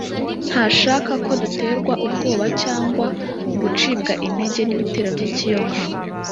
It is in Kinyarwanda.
Ntashaka ko duterwa ubwoba cyangwa gucibwa intege n’ibitero by’ikiyoka